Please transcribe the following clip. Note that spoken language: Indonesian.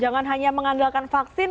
jangan hanya mengandalkan vaksin